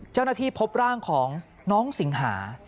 เจ้าหน้าที่พบร่างของน้องสิงหา